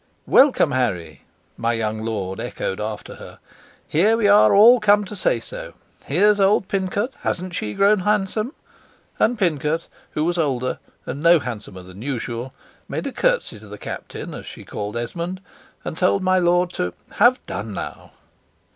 "Welcome, Harry!" my young lord echoed after her. "Here, we are all come to say so. Here's old Pincot, hasn't she grown handsome?" and Pincot, who was older, and no handsomer than usual, made a curtsy to the Captain, as she called Esmond, and told my lord to "Have done, now."